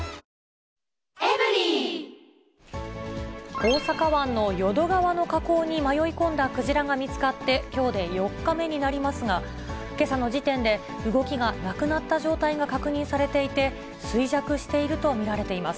大阪湾の淀川の河口に迷い込んだクジラが見つかって、きょうで４日目になりますが、けさの時点で、動きがなくなった状態が確認されていて、衰弱していると見られています。